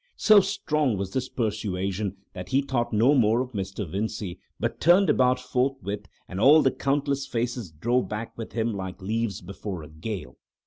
So strong was this persuasion that he thought no more of Mr. Vincey, but turned about forthwith, and all the countless faces drove back with him like leaves before a gale.